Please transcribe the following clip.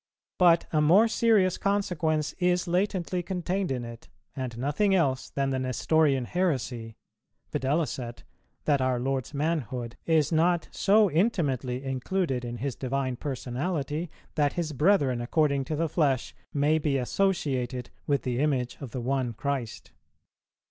But a more serious consequence is latently contained in it, and nothing else than the Nestorian heresy, viz. that our Lord's manhood is not so intimately included in His Divine Personality that His brethren according to the flesh may be associated with the Image of the One Christ.